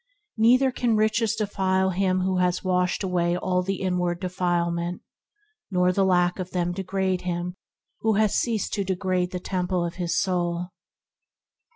Neither can riches defile him who has washed away all the inward defilement, nor the lack of them degrade him who has ceased to degrade the temple of his soul.